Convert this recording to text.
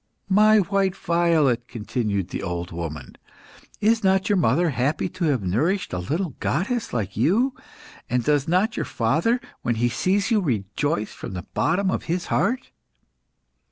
"My white violet," continued the old woman, "is not your mother happy to have nourished a little goddess like you, and does not your father, when he sees you, rejoice from the bottom of his heart?"